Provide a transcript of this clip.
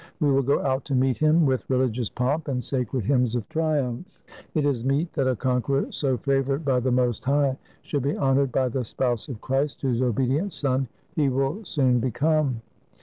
We will go out to meet him with re ligious pomp and sacred hymns of triumph. It is meet that a conqueror so favored by the Most High should be honored by the Spouse of Christ, whose obedient son he will soon become."